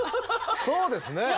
そうですね。